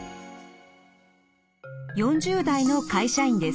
４０代の会社員です。